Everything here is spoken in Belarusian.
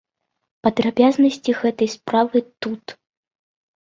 Падрабязнасці гэта справы тут.